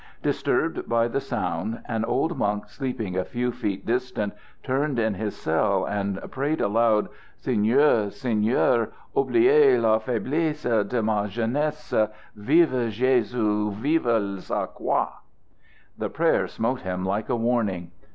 Disturbed by the sound, an old monk sleeping a few feet distant turned in his cell and prayed aloud: "Seigneur! Seigneur! Oubliez la faiblesse de ma jeunesse! Vive Jésus! Vive sa Croix!" The prayer smote him like a warning.